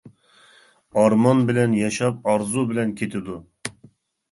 ئارمان بىلەن ياشاپ، ئارزۇ بىلەن كېتىدۇ.